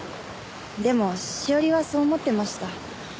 でも詩織はそう思ってました。